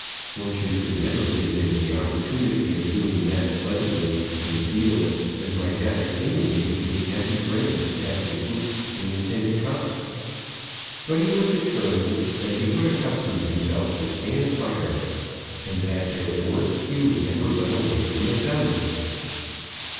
Fortune could never give him the opportunity of doing that pleasantly, in the field, as might happen any day to his happy friends, Captain Fooks and Lieutenant Cox; but he was determined that he would accustom himself to stand fire; and that, therefore, he would never run away from a dun.